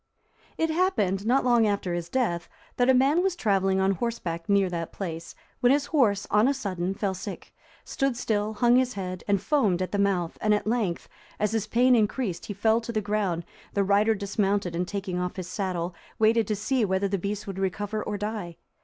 It happened, not long after his death, that a man was travelling on horseback near that place, when his horse on a sudden fell sick, stood still, hung his head, and foamed at the mouth, and, at length, as his pain increased, he fell to the ground; the rider dismounted, and taking off his saddle,(342) waited to see whether the beast would recover or die.